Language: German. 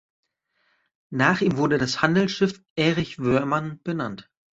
Nach ihm wurde das Handelsschiff "Erich Woermann" benannt.